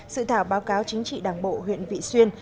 sự thảo báo cáo chính trị đảng bộ huyện vị xuyên